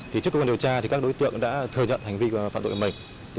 trước công an điều tra các đối tượng đã thừa nhận hành vi phản tội của mình